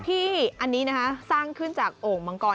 ที่อันนี้นะคะสร้างขึ้นจากโอ่งมังกร